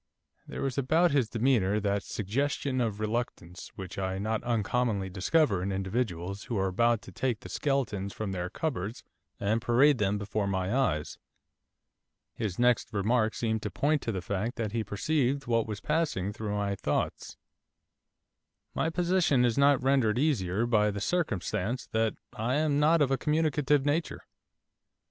There was about his demeanour that suggestion of reluctance which I not uncommonly discover in individuals who are about to take the skeletons from their cupboards and parade them before my eyes. His next remark seemed to point to the fact that he perceived what was passing through my thoughts. 'My position is not rendered easier by the circumstance that I am not of a communicative nature.